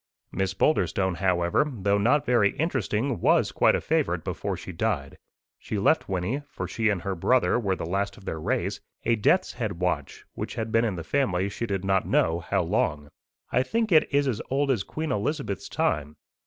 Miss Boulderstone, however, though not very interesting, was quite a favourite before she died. She left Wynnie for she and her brother were the last of their race a death's head watch, which had been in the family she did not know how long. I think it is as old as Queen Elizabeth's time.